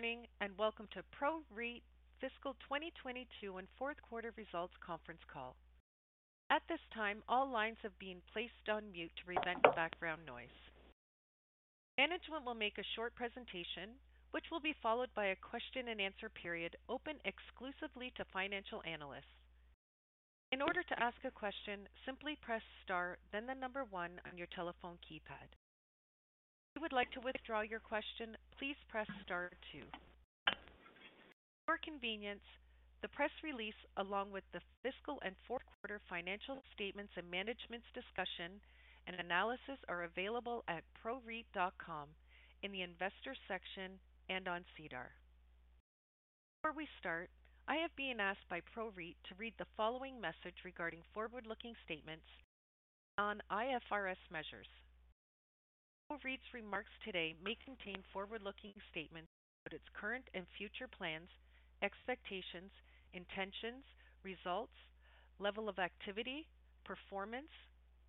Good morning. Welcome to PROREIT fiscal year 2022 and fourth quarter results conference call. At this time, all lines have been placed on mute to prevent background noise. Management will make a short presentation, which will be followed by a question-and-answer period open exclusively to financial analysts. In order to ask a question, simply press star then the number one on your telephone keypad. If you would like to withdraw your question, please press star two. For convenience, the press release along with the fiscal and fourth quarter financial statements and management's discussion and analysis are available at proreit.com in the investor section and on SEDAR. Before we start, I have been asked by PROREIT to read the following message regarding forward-looking statements on IFRS measures. PROREIT's remarks today may contain forward-looking statements about its current and future plans, expectations, intentions, results, level of activity, performance,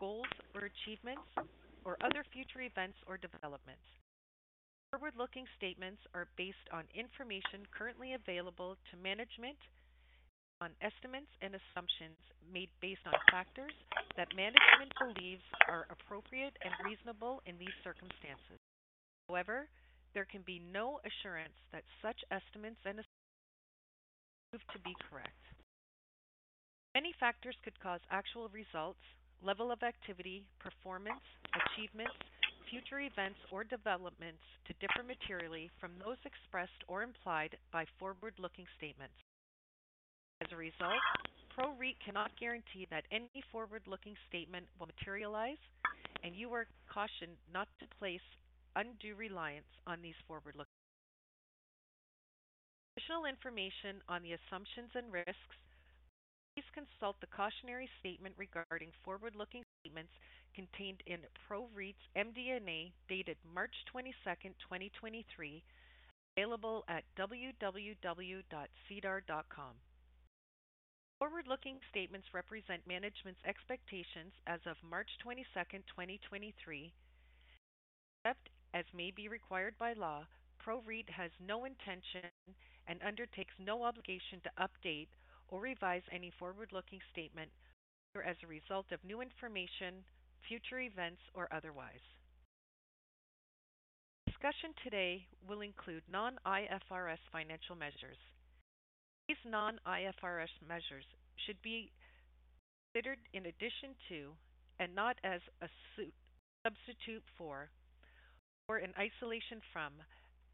goals or achievements, or other future events or developments. Forward-looking statements are based on information currently available to management on estimates and assumptions made based on factors that management believes are appropriate and reasonable in these circumstances. However, there can be no assurance that such estimates and assumptions will prove to be correct. Many factors could cause actual results, level of activity, performance, achievements, future events or developments to differ materially from those expressed or implied by forward-looking statements. As a result, PROREIT cannot guarantee that any forward-looking statement will materialize, and you are cautioned not to place undue reliance on these forward-looking statements. Additional information on the assumptions and risks, please consult the cautionary statement regarding forward-looking statements contained in PROREIT's MD&A dated March 22, 2023, available at www.sedar.com. Forward-looking statements represent management's expectations as of March 22, 2023. Except as may be required by law, PROREIT has no intention and undertakes no obligation to update or revise any forward-looking statement, whether as a result of new information, future events, or otherwise. Discussion today will include non-IFRS financial measures. These non-IFRS measures should be considered in addition to and not as a substitute for or an isolation from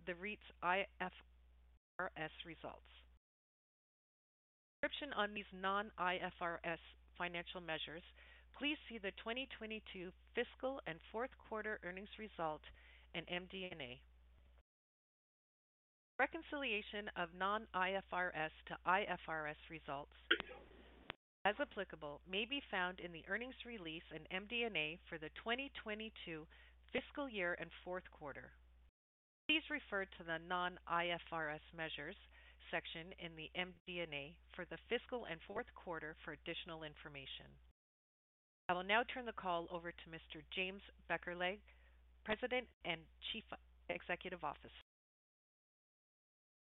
the REIT's IFRS results. Description on these non-IFRS financial measures, please see the 2022 fiscal and fourth quarter earnings result in MD&A. Reconciliation of non-IFRS to IFRS results, as applicable, may be found in the earnings release in MD&A for the 2022 fiscal year and fourth quarter. Please refer to the non-IFRS measures section in the MD&A for the fiscal and fourth quarter for additional information. I will now turn the call over to Mr. James Beckerleg, President and Chief Executive Officer.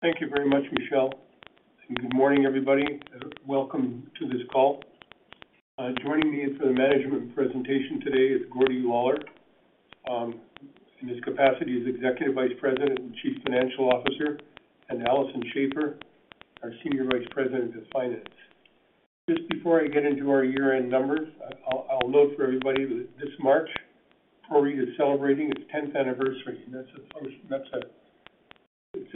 Thank you very much, Michelle. Good morning, everybody. Welcome to this call. Joining me for the management presentation today is Gordon Lawlor, in his capacity as Executive Vice President and Chief Financial Officer, and Alison Schafer, our Senior Vice President of Finance. Just before I get into our year-end numbers, I'll note for everybody that this March, PROREIT is celebrating its 10th anniversary, and that's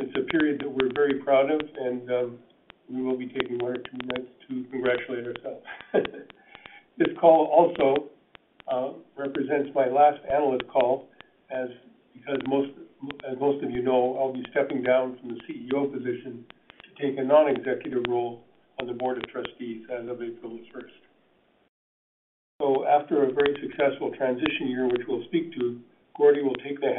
a period that we're very proud of, and we will be taking one or two minutes to congratulate ourselves. This call also represents my last analyst call as most of you know, I'll be stepping down from the CEO position to take a non-executive role on the board of trustees as of April the 1st. After a very successful transition year, which we'll speak to, Gordon will take the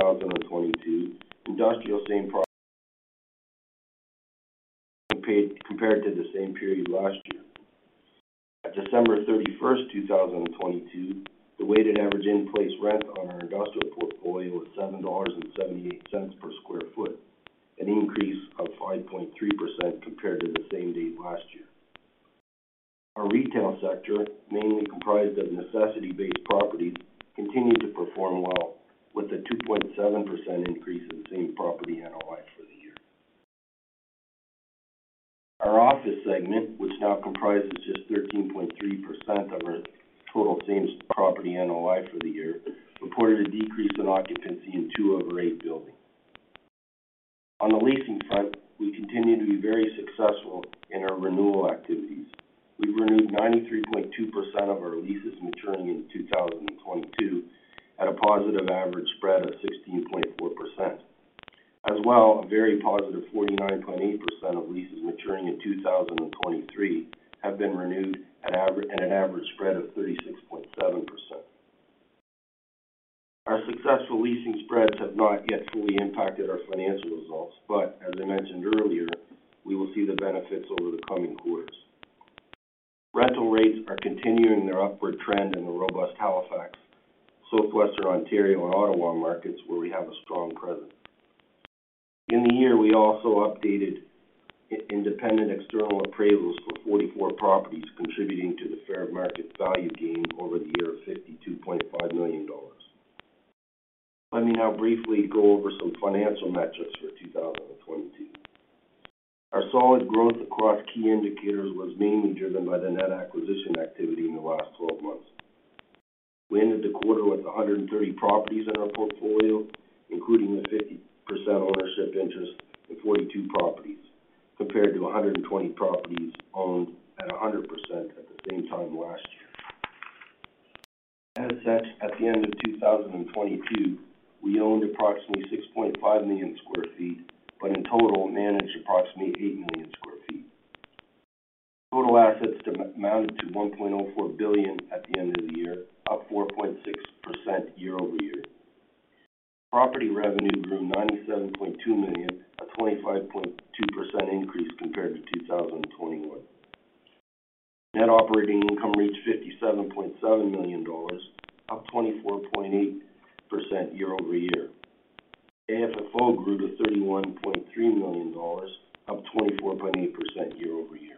helm. 2022 industrial same-property compared to the same period last year. At December 31st, 2022, the weighted average in-place rent on our industrial portfolio was 7.78 per square feet, an increase of 5.3% compared to the same date last year. Our retail sector, mainly comprised of necessity-based properties, continued to perform well with a 2.7% increase in same-property NOI for the year. Our office segment, which now comprises just 13.3% of our total same-property NOI for the year, reported a decrease in occupancy in two of our eight buildings. On the leasing front, we continue to be very successful in our renewal activities. We renewed 93.2% of our leases maturing in 2022 at a positive average spread of 16.4%. As well, a very positive 49.8% of leases maturing in 2023 have been renewed at an average spread of 36.7%. Our successful leasing spreads have not yet fully impacted our financial results, but as I mentioned earlier, we will see the benefits over the coming quarters. Rental rates are continuing their upward trend in the robust Halifax, Southwestern Ontario, and Ottawa markets where we have a strong presence. In the year, we also updated independent external appraisals for 44 properties, contributing to the fair market value gain over the year of 52.5 million dollars. Let me now briefly go over some financial metrics for 2022. Our solid growth across key indicators was mainly driven by the net acquisition activity in the last 12 months. We ended the quarter with 130 properties in our portfolio, including the 50% ownership interest in 42 properties, compared to 120 properties owned at 100% at the same time last year. At the end of 2022, we owned approximately 6.5 million sq ft, but in total, managed approximately 8 million sq ft. Total assets amounted to 1.04 billion at the end of the year, up 4.6% year-over-year. Property revenue grew 97.2 million, a 25.2% increase compared to 2021. Net operating income reached 57.7 million dollars, up 24.8% year-over-year. AFFO grew to 31.3 million dollars, up 24.8% year-over-year.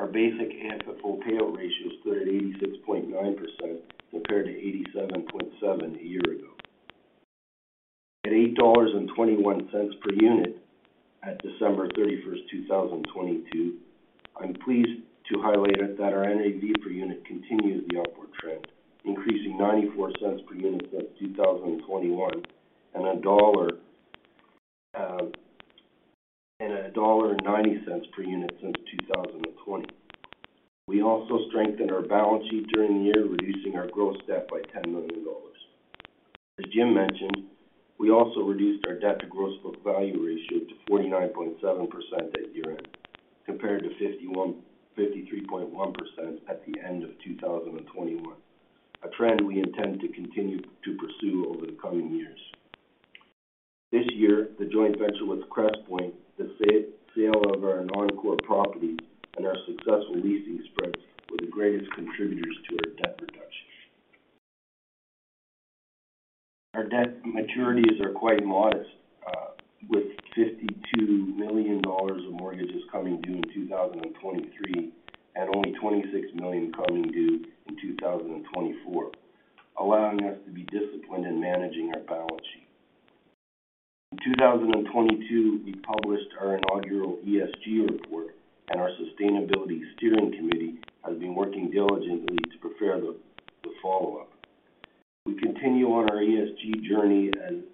Our basic AFFO payout ratio stood at 86.9% compared to 87.7% a year ago. At 8.21 dollars per unit at December 31, 2022, I'm pleased to highlight that our NAV per unit continues the upward trend, increasing 0.94 per unit since 2021 and 1.90 dollar per unit since 2020. We also strengthened our balance sheet during the year, reducing our gross debt by 10 million dollars. As Jim mentioned, we also reduced our debt to gross book value ratio to 49.7% at year-end, compared to 53.1% at the end of 2021. A trend we intend to continue to pursue over the coming years. This year, the joint venture with Crestpoint, the sale of our non-core properties, and our successful leasing spreads were the greatest contributors to our debt reduction. Our debt maturities are quite modest, with 52 million dollars of mortgages coming due in 2023, and only 26 million coming due in 2024, allowing us to be disciplined in managing our balance sheet. In 2022, we published our inaugural ESG report, and our sustainability steering committee has been working diligently to prepare the follow-up. We continue on our ESG journey and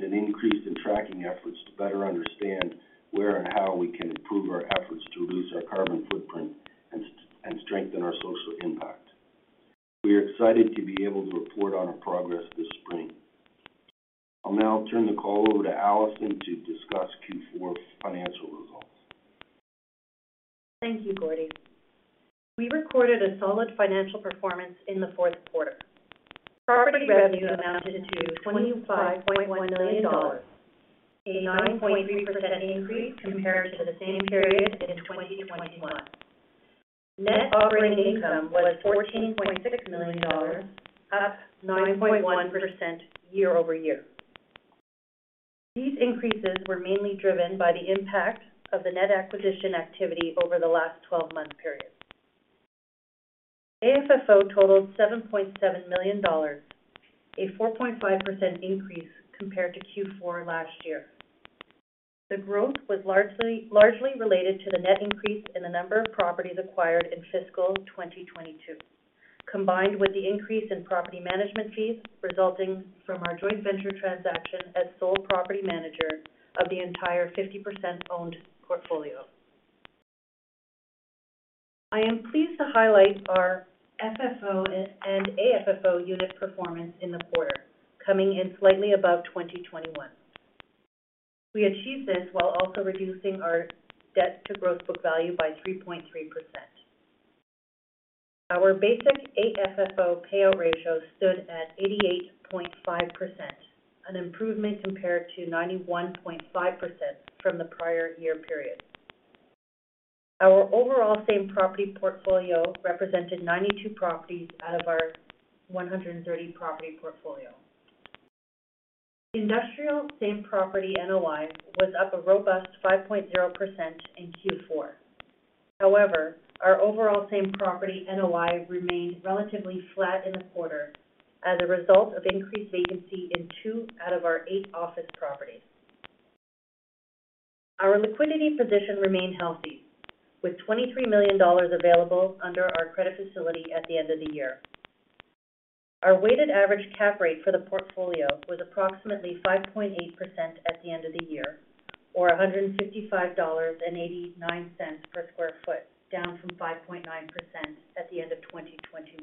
an increase in tracking efforts to better understand where and how we can improve our efforts to reduce our carbon footprint and strengthen our social impact. We are excited to be able to report on our progress this spring. I'll now turn the call over to Alison to discuss Q4 financial results. Thank you, Gordon. We recorded a solid financial performance in the fourth quarter. Property revenue amounted to 25.1 million dollars, a 9.3% increase compared to the same period in 2021. Net operating income was 14.6 million dollars, up 9.1% year-over-year. These increases were mainly driven by the impact of the net acquisition activity over the last 12-month period. AFFO totaled 7.7 million dollars, a 4.5% increase compared to Q4 last year. The growth was largely related to the net increase in the number of properties acquired in fiscal year 2022, combined with the increase in property management fees resulting from our joint venture transaction as sole property manager of the entire 50% owned portfolio. I am pleased to highlight our FFO and AFFO unit performance in the quarter, coming in slightly above 2021. We achieved this while also reducing our debt to gross book value by 3.3%. Our basic AFFO payout ratio stood at 88.5%, an improvement compared to 91.5% from the prior year period. Our overall same-property portfolio represented 92 properties out of our 130 property portfolio. Industrial same-property NOI was up a robust 5.0% in Q4. However, our overall same-property NOI remained relatively flat in the quarter as a result of increased vacancy in two out of our eight office properties. Our liquidity position remained healthy, with 23 million dollars available under our credit facility at the end of the year. Our weighted average cap rate for the portfolio was approximately 5.8% at the end of the year, or 155.89 dollars per sq ft, down from 5.9% at the end of 2021.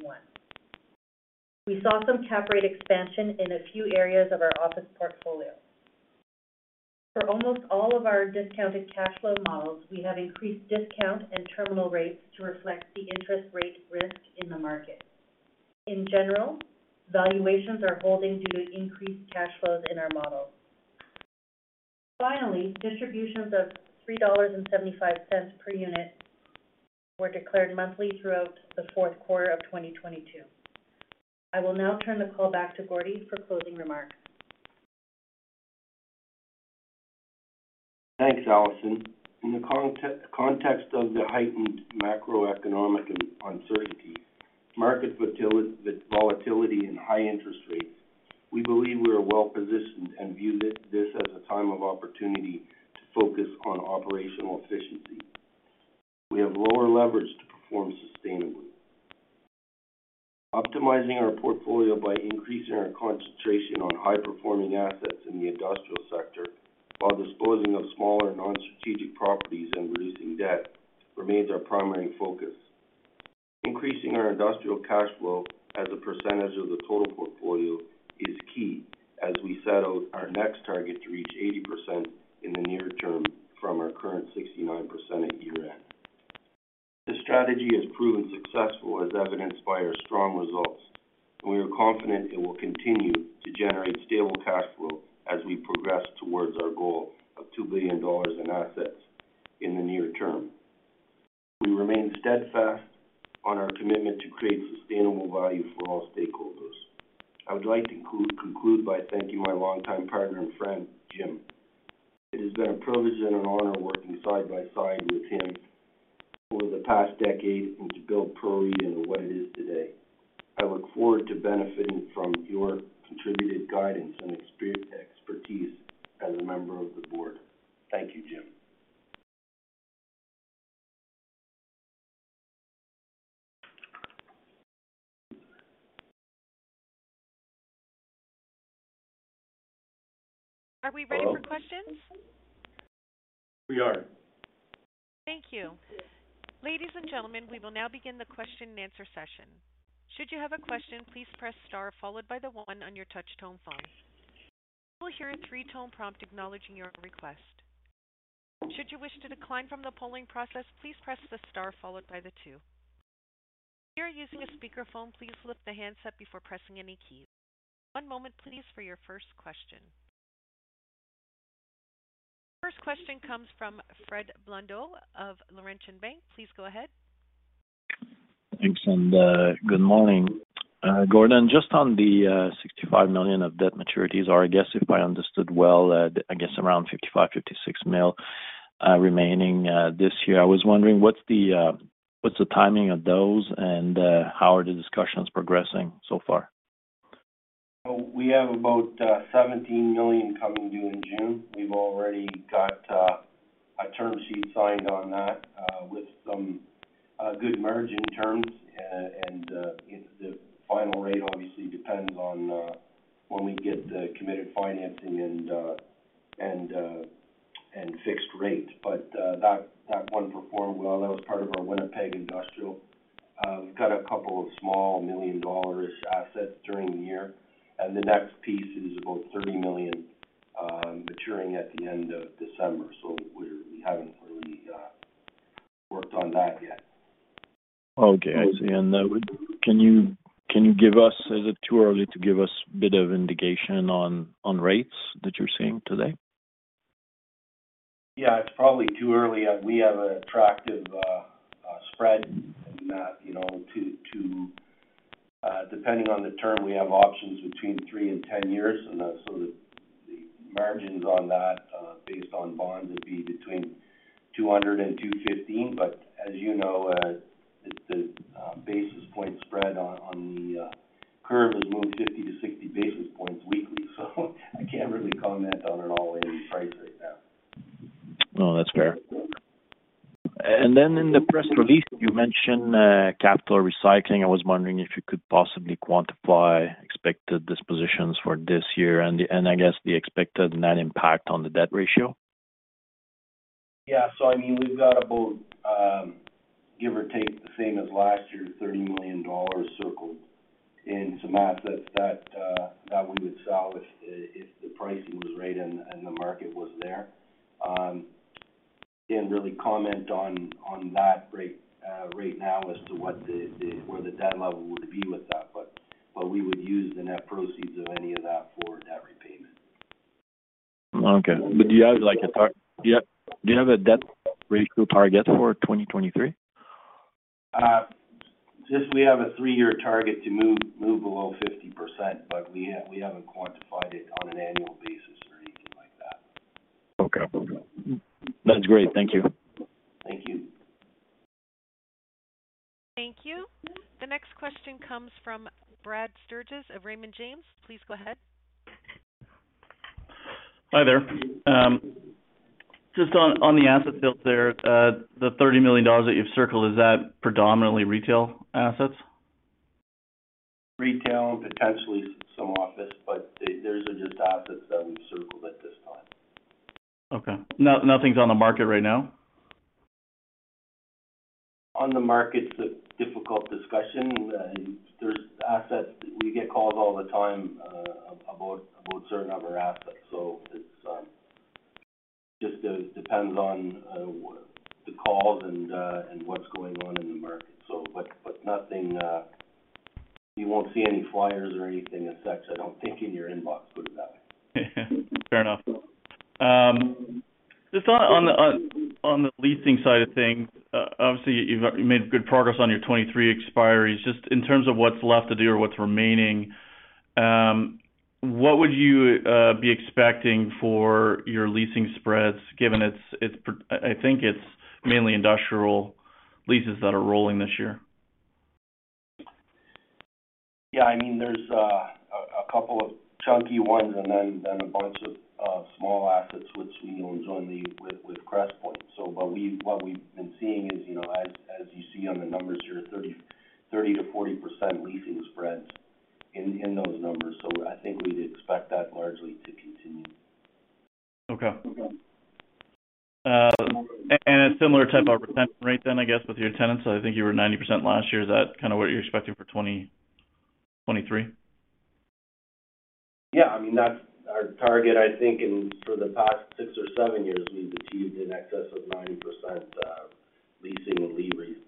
We saw some cap rate expansion in a few areas of our office portfolio. For almost all of our discounted cash flow models, we have increased discount and terminal rates to reflect the interest rate risk in the market. In general, valuations are holding due to increased cash flows in our models. Distributions of 3.75 dollars per unit were declared monthly throughout the fourth quarter of 2022. I will now turn the call back to Gordon for closing remarks. Thanks, Alison. In the context of the heightened macroeconomic uncertainty, market volatility and high interest rates, we believe we are well-positioned and view this as a time of opportunity to focus on operational efficiency. We have lower leverage to perform sustainably. Optimizing our portfolio by increasing our concentration on high-performing assets in the industrial sector while disposing of smaller non-strategic properties and reducing debt remains our primary focus. Increasing our industrial cash flow as a percentage of the total portfolio is key as we set out our next target to reach 80% in the near term from our current 69% at year-end. This strategy has proven successful, as evidenced by our strong results. We are confident it will continue to generate stable cash flow as we progress towards our goal of 2 billion dollars in assets in the near term. We remain steadfast on our commitment to create sustainable value for all stakeholders. I would like to conclude by thanking my longtime partner and friend, Jim. It has been a privilege and an honor working side by side with him over the past decade and to build PROREIT into what it is today. I look forward to benefiting from your contributed guidance and expertise as a member of the board. Thank you, Jim. Are we ready for questions? We are. Thank you. Ladies and gentlemen, we will now begin the question and answer session. Should you have a question, please press star followed by the one on your touch-tone phone. You will hear a three-tone prompt acknowledging your request. Should you wish to decline from the polling process, please press the star followed by the two. If you are using a speakerphone, please lift the handset before pressing any keys. One moment please for your first question. First question comes from Fred Blondeau of Laurentian Bank. Please go ahead. Thanks. Good morning. Gordon, just on the 65 million of debt maturities, or I guess if I understood well, I guess around 55 million-56 million remaining this year. I was wondering what's the timing of those and how are the discussions progressing so far? We have about 17 million coming due in June. We've already got a term sheet signed on that with some good margin terms. And it's the final rate obviously depends on when we get the committed financing and fixed rate. That one performed well. That was part of our Winnipeg Industrial. We've got a couple of small million-dollar-ish assets during the year, and the next piece is about 30 million maturing at the end of December. We haven't really worked on that yet. Okay. I see. Is it too early to give us a bit of indication on rates that you're seeing today? Yeah, it's probably too early. We have an attractive spread in that, you know, depending on the term, we have options between three and 10 years. The margins on that based on bonds would be between 200 and 215 basis points. As you know, it's the basis point spread on the curve has moved 50 to 60 basis points weekly. I can't really comment on an all-in price right now. No, that's fair. Then in the press release, you mentioned capital recycling. I was wondering if you could possibly quantify expected dispositions for this year and I guess the expected net impact on the debt ratio? I mean, we've got about, give or take the same as last year, 30 million dollars circled in some assets that we would sell if the pricing was right and the market was there. Can't really comment on that right now as to what the debt level would be with that, but we would use the net proceeds of any of that for debt repayment. Okay. Do you have like a debt ratio target for 2023? Just we have a three-year target to move below 50%, but we haven't quantified it on an annual basis or anything like that. Okay. That's great. Thank you. Thank you. Thank you. The next question comes from Brad Sturges of Raymond James. Please go ahead. Hi there. just on the asset field there, the 30 million dollars that you've circled, is that predominantly retail assets? Retail and potentially some office, but those are just assets that we've circled at this time. Okay. No-nothing's on the market right now? On the market, it's a difficult discussion. There's assets... We get calls all the time about certain of our assets. It just depends on the calls and what's going on in the market. Nothing, you won't see any flyers or anything of such, I don't think, in your inbox, put it that way. Fair enough. Just on the leasing side of things, obviously you've made good progress on your 23 expiries. Just in terms of what's left to do or what's remaining, what would you be expecting for your leasing spreads given I think it's mainly industrial leases that are rolling this year? Yeah, I mean, there's a couple of chunky ones and then a bunch of small assets which, you know, is only with Crestpoint. What we've been seeing is, you know, as you see on the numbers here, 30%-40% leasing spreads in those numbers. I think we'd expect that largely to continue. Okay. A similar type of retention rate then I guess with your tenants. I think you were 90% last year. Is that kind of what you're expecting for 2023? Yeah, I mean, that's our target. I think for the past six or seven years, we've achieved in excess of 90%, leasing and releasing.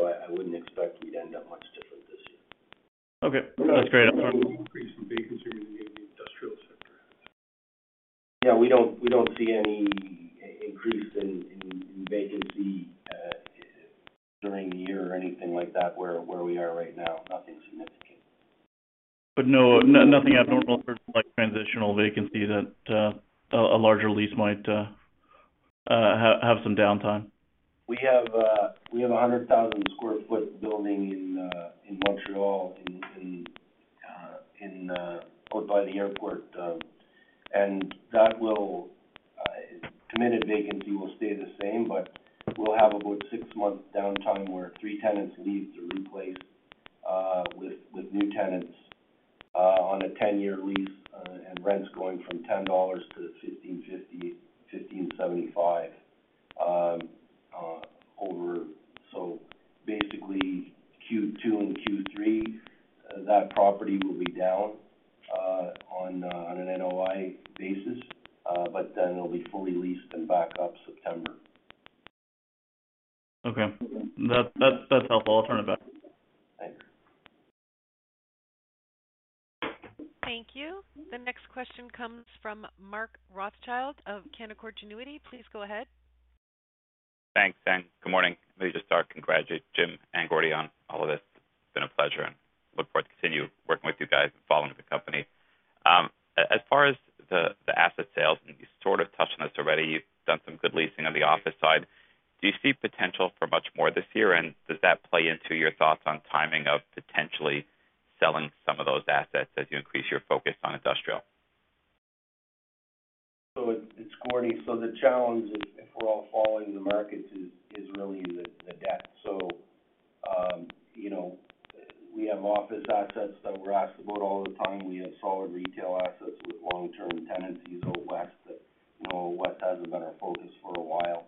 I wouldn't expect we'd end up much different this year. Okay. That's great. No increase in vacancy in the industrial sector. Yeah, we don't see any increase in vacancy during the year or anything like that where we are right now, nothing significant. Nothing abnormal for like transitional vacancy that a larger lease might have some downtime. We have a 100,000 sq ft building in Montreal out by the airport. That Committed vacancy will stay the same, but we'll have about six months downtime where three tenants leave to replace with new tenants on a 10-year lease, and rents going from 10 dollars to 15.50, 15.75 over. Basically Q2 and Q3, that property will be down on an NOI basis, it'll be fully leased and back up September. Okay. That's helpful. I'll turn it back. Thanks. Thank you. The next question comes from Mark Rothschild of Canaccord Genuity. Please go ahead. Thanks. Good morning. Let me just start. Congrats Jim and Gordon on all of this. It's been a pleasure and look forward to continue working with you guys and following the company. As far as the asset sales, and you sort of touched on this already, you've done some good leasing on the office side. Do you see potential for much more this year? Does that play into your thoughts on timing of potentially selling some of those assets as you increase your focus on industrial? It's Gordon. The challenge is if we're all following the markets is really the debt. You know, we have office assets that we're asked about all the time. We have solid retail assets with long-term tenancies out west that, you know, west hasn't been our focus for a while.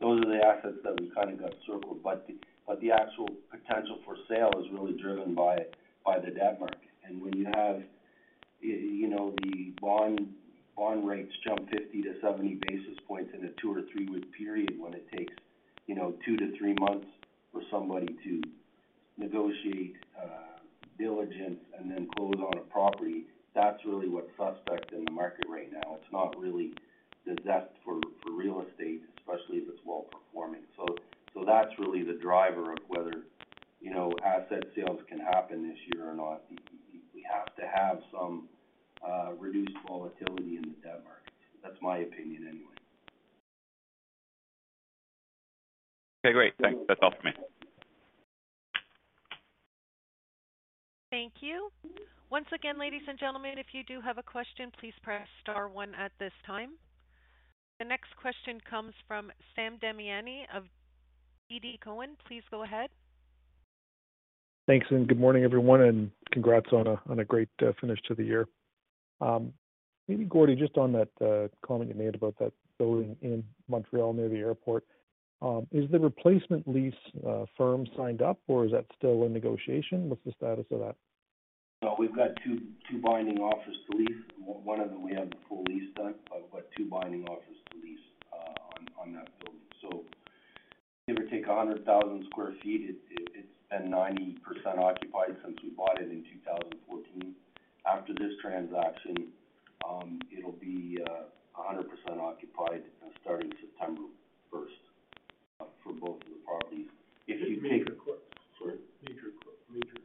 Those are the assets that we kind of got circled. The actual potential for sale is really driven by the debt market. When you have, you know, the bond rates jump 50 to 70 basis points in a two or three-week period when it takes, you know, two to three months for somebody to negotiate diligence and then close on a property, that's really what's suspect in the market right now. It's not really the zest for real estate, especially if it's well-performing. That's really the driver of whether, you know, asset sales can happen this year or not. We have to have some reduced volatility in the debt market. That's my opinion anyway. Okay, great. Thanks. That's all for me. Thank you. Once again, ladies and gentlemen, if you do have a question, please press star one at this time. The next question comes from Sam Damiani of TD Cowen. Please go ahead. Thanks, good morning, everyone, and congrats on a, on a great, finish to the year. Maybe Gordon, just on that, comment you made about that building in Montreal near the airport, is the replacement lease, firm signed up, or is that still in negotiation? What's the status of that? We've got two binding office lease. One of them we have the full lease done, but two binding office lease on that building. Give or take 100,000 sq ft, it's been 90% occupied since we bought it in 2014. After this transaction, it'll be 100% occupied starting September 1st for both of the properties. If you take- Major tenants. Sorry? Major tenants.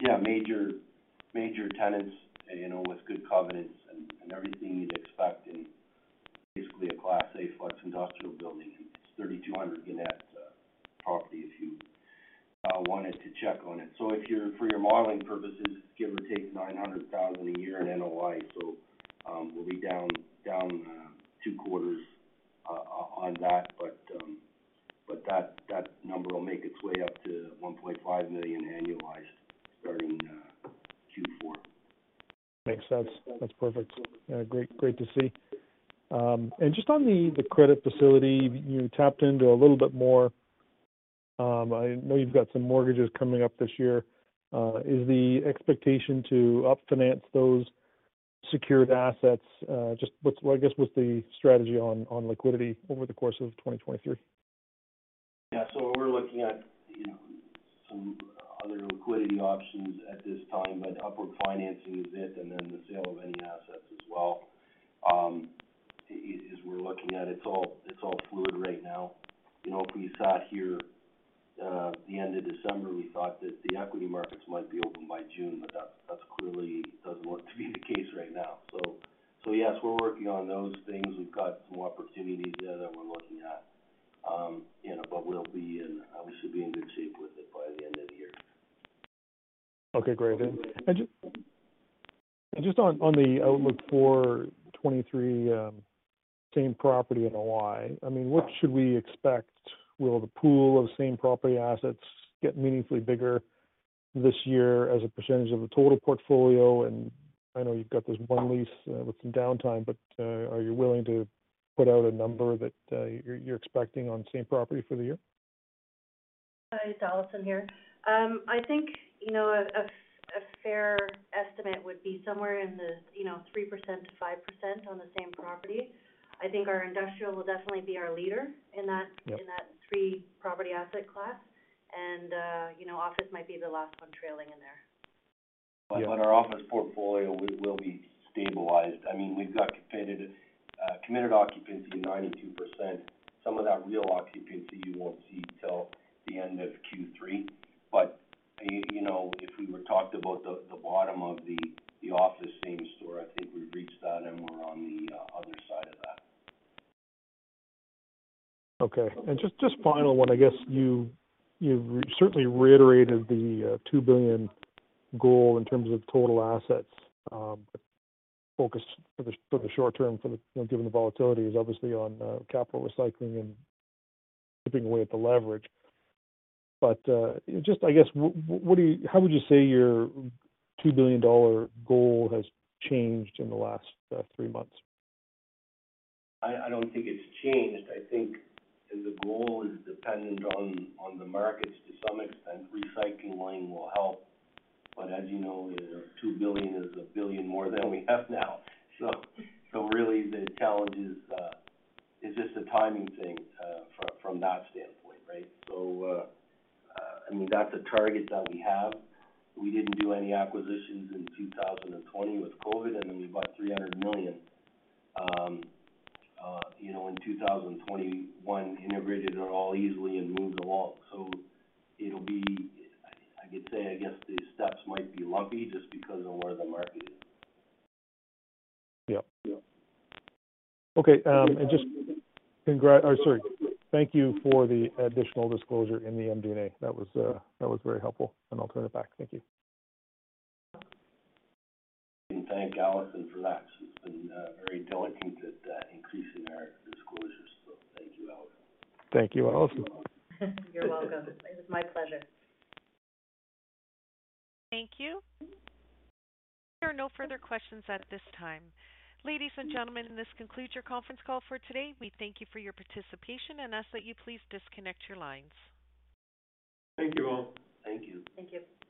Yeah, major tenants, you know, with good covenants and everything you'd expect in basically a Class A flex industrial building. It's 3,200 net property if you wanted to check on it. If you're for your modeling purposes, give or take 900,000 a year in NOI. We'll be down two quarters on that. That number will make its way up to 1.5 million annualized starting Q4. Makes sense. That's perfect. great to see. Just on the credit facility, you tapped into a little bit more. I know you've got some mortgages coming up this year. Is the expectation to up finance those secured assets? Just well, I guess, what's the strategy on liquidity over the course of 2023? Yeah. We're looking at, you know, some other liquidity options at this time, but upward financing a bit and then the sale of any assets as well, we're looking at. It's all, it's all fluid right now. You know, if we sat here, the end of December, we thought that the equity markets might be open by June, but that clearly doesn't look to be the case right now. Yes, we're working on those things. We've got some opportunities there that we're looking at. You know, but we should be in good shape with it by the end of the year. Okay, great. Just on the outlook for 2023, same-property NOI, I mean, what should we expect? Will the pool of same-property assets get meaningfully bigger this year as a percentage of the total portfolio? I know you've got this one lease, with some downtime, but are you willing to put out a number that you're expecting on same-property for the year? Hi, it's Alison here. I think, you know, a fair estimate would be somewhere in the, you know, 3%-5% on the same property. I think our industrial will definitely be our leader in that. Yep. In that three property asset class. You know, office might be the last one trailing in there. On our office portfolio, we will be stabilized. I mean, we've got committed occupancy 92%. Some of that real occupancy you won't see till the end of Q3. You know, if we were talked about the bottom of the office same store, I think we've reached that and we're on the other side of that. Okay. Just, just final one, I guess you certainly reiterated the 2 billion goal in terms of total assets. Focus for the, for the short term, for the you know, given the volatility is obviously on capital recycling and chipping away at the leverage. Just I guess, how would you say your 2 billion dollar goal has changed in the last three months? I don't think it's changed. I think the goal is dependent on the markets to some extent. Recycling one will help. As you know, 2 billion is 1 billion more than we have now. Really the challenge is just a timing thing from that standpoint, right? I mean, that's a target that we have. We didn't do any acquisitions in 2020 with COVID, and then we bought 300 million, you know, in 2021, integrated it all easily and moved along. It'll be, I could say, I guess the steps might be lumpy just because of where the market is. Yeah. Okay. Just sorry. Thank you for the additional disclosure in the MD&A. That was very helpful, and I'll turn it back. Thank you. Thank Alison for that. She's been very diligent at increasing our disclosures. Thank you, Alison. Thank you, Alison. You're welcome. It was my pleasure. Thank you. There are no further questions at this time. Ladies and gentlemen, this concludes your conference call for today. We thank you for your participation and ask that you please disconnect your lines. Thank you all. Thank you. Thank you.